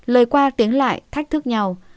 lời qua tiếng lại thách thức nhau